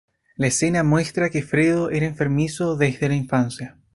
La escena muestra que Fredo era enfermizo desde la infancia.